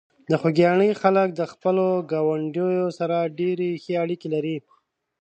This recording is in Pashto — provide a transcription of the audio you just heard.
د خوږیاڼي خلک د خپلو ګاونډیو سره ډېرې ښې اړیکې لري.